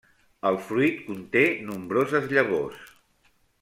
El fruit conté nombroses llavors.